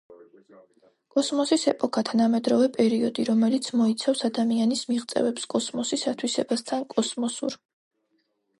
კოსმოსის ეპოქა თანამედროვე პერიოდი, რომელიც მოიცავს ადამიანის მიღწევებს კოსმოსის ათვისებასთან, კოსმოსურ